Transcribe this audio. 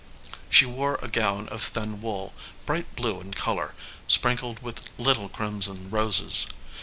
She wore a gown of thin wool, bright blue in color, sprinkled with little crimson roses.